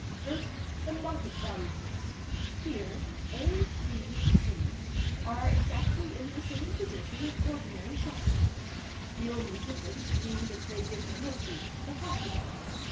"First, the 'market value' case. Here A, B, C are exactly in the same position as ordinary shopkeepers ; the only difference being that they give the proceeds to the Hospital.